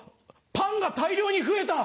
パンが大量に増えた！